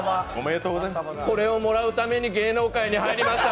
これをもらうために芸能界に入りました。